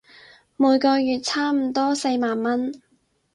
每個月差唔多四萬文